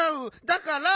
だから。